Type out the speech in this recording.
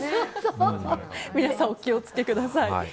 皆さん、お気を付けください。